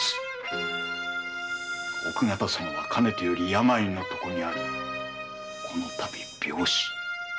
奥方様はかねてより病の床にありこの度病死。